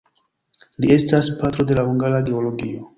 Li estas "patro" de la hungara geologio.